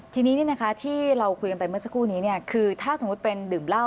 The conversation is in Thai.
ทีนี้ที่เราคุยกันไปเมื่อสักครู่นี้คือถ้าสมมุติเป็นดื่มเหล้า